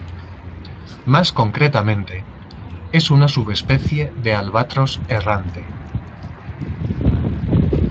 Más concretamente es una subespecie del albatros errante.